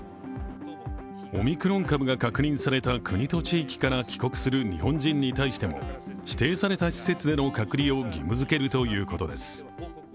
オミクロン株が確認された国と地域から帰国する日本人に対しても指定された施設での隔離を義務づけるということです。